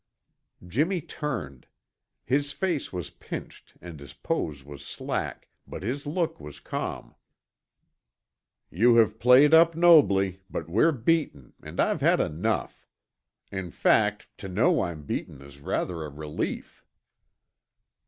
Jimmy turned. His face was pinched and his pose was slack, but his look was calm. "You have played up nobly, but we're beaten and I've had enough. In fact, to know I'm beaten is rather a relief."